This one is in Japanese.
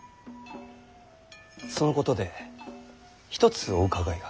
そのことで一つお伺いが。